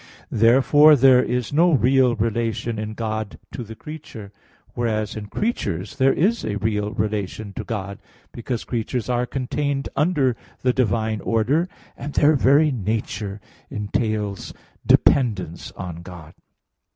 Therefore there is no real relation in God to the creature; whereas in creatures there is a real relation to God; because creatures are contained under the divine order, and their very nature entails dependence on God.